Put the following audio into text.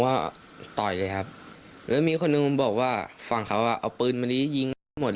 ว่าต่อเลยครับแล้วมีคนโดดบอกว่าฟังเขาได้จริงหมด